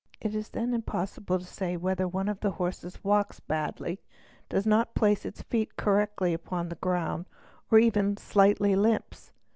— It is then impossible to say whether oné of the horses walks badly, does not place its feet correctly upon the ground, or even slightly limps.